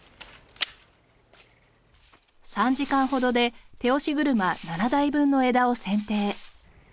３時間ほどで手押し車７台分の枝を剪定。